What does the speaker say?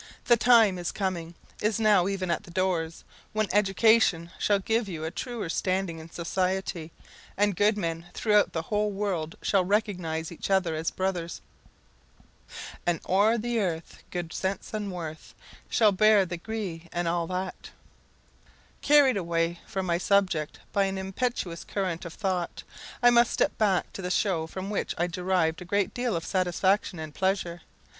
The time is coming is now even at the doors when education shall give you a truer standing in society, and good men throughout the whole world shall recognise each other as brothers. "An' o'er the earth gude sense an' worth Shall bear the gree an' a' that." Carried away from my subject by an impetuous current of thought, I must step back to the show from which I derived a great deal of satisfaction and pleasure.